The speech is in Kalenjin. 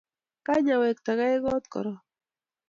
kany awektagei koot korok.